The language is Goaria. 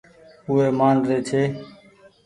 اُو وي مآن ري ڇي۔